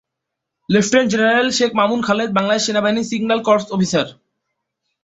Lieutenant general Sheikh Mamun Khaled Bangladesh সেনাবাহিনীর signal corps officer.